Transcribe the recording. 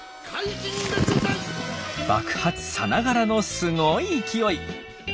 爆発さながらのすごい勢い。